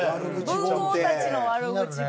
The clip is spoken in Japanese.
『文豪たちの悪口本』。